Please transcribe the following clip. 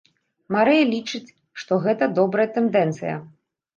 Марыя лічыць, што гэта добрая тэндэнцыя.